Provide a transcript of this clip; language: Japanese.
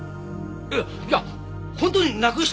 いやいや本当になくしたんです！